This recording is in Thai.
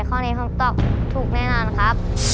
ข้อนี้ผมตอบถูกแน่นอนครับ